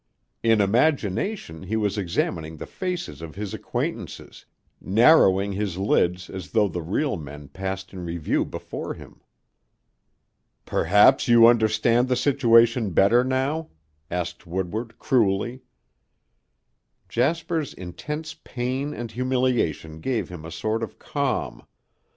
In imagination he was examining the faces of his acquaintances, narrowing his lids as though the real men passed in review before him. "Perhaps you understand the situation better now?" asked Woodward cruelly. Jasper's intense pain and humiliation gave him a sort of calm.